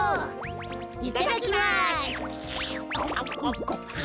いただきます！